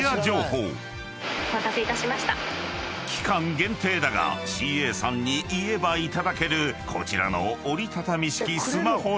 ［期間限定だがＣＡさんに言えば頂けるこちらの］